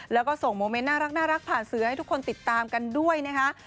แล้วก็ส่งโมเมนต์น่ารักผ่านสื่อให้ทุกคนติดตามกันด้วยนะคะ